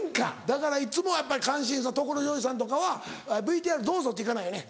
だからいつもやっぱり感心する所ジョージさんとかは「ＶＴＲどうぞ」って行かないよね